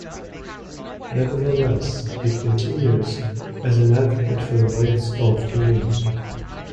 Nevertheless, it continues as an advocate for the rights of Inuit.